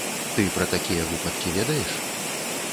Ты пра такія выпадкі ведаеш?